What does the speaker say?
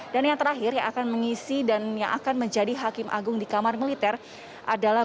dan yang terakhir yang akan mengisi dan menjadi hakim agung di kamar militer adalah